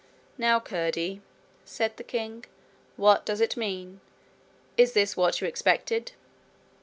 'Now, Curdie,' said the king, 'what does it mean? Is this what you expected?'